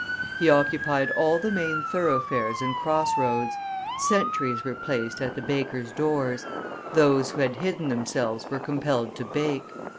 He occupied all the main thoroughfares and cross roads; sentries were placed at the bakers' doors; those who had hidden themselves were compelled to bake.